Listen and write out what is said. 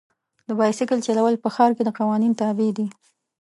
د بایسکل چلول په ښار کې د قوانین تابع دي.